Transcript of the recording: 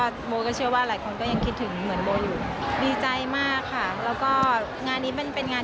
ทุกท่านที่ทำให้เกิดงานนี้ขึ้น